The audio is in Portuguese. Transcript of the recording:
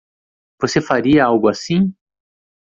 Você faria algo assim?